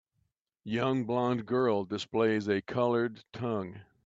Young blond girl displays a colored tongue